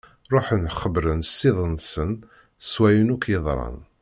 Ṛuḥen xebbṛen ssid-nsen s wayen akk yeḍran.